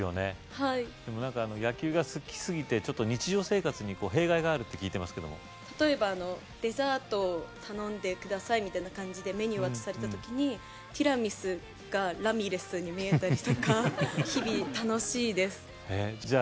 はいでもなんか野球が好きすぎてちょっと日常生活に弊害があるって聞いてますけども例えばデザートを頼んでくださいみたいな感じでメニュー渡された時にティラミスがラミレスに見えたりとか日々楽しいですじゃあ